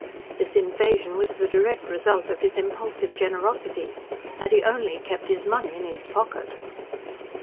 This invasion was the direct result of his impulsive generosity. Had he only kept his money in his pocket!